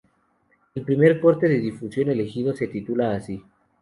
El primer corte de difusión elegido se titula "Así".